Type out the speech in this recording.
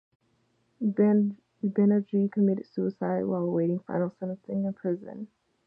Banerjee committed suicide while awaiting final sentencing in prison.